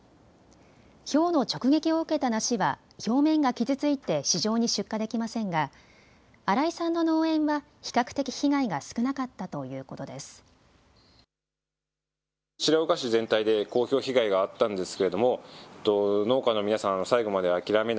ひょうの直撃を受けた梨は表面が傷ついて市場に出荷できませんが荒井さんの農園は比較的、被害が少なかったということです。